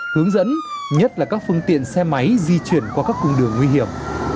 hướng dẫn nhất là các phương tiện xe máy di chuyển qua các cung đường nguy hiểm